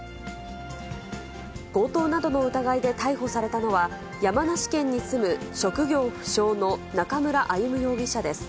強盗などの疑いで逮捕されたのは、山梨県に住む職業不詳の中村歩武容疑者です。